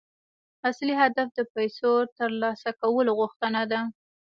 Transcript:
اصلي هدف د پيسو ترلاسه کولو غوښتنه ده.